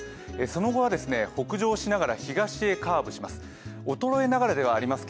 その後は北上しながら東へカーブします。